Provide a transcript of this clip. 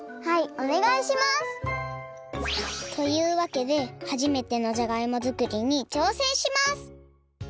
はいおねがいします！というわけではじめてのじゃがいも作りにちょうせんします！